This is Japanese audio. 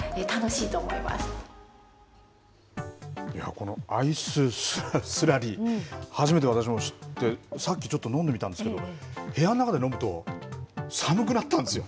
このアイススラリー、初めて私も知って、さっきちょっと飲んでみたんですけど、部屋の中で飲むと、寒くなったんですよ。